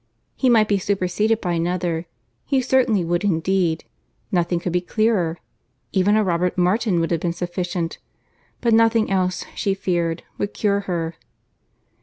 He might be superseded by another; he certainly would indeed; nothing could be clearer; even a Robert Martin would have been sufficient; but nothing else, she feared, would cure her.